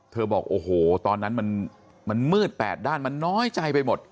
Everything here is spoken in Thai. บอกโอ้โหตอนนั้นมันมืดแปดด้านมันน้อยใจไปหมด